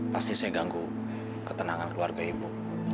pasti saya ganggu ketenangan keluarga ibu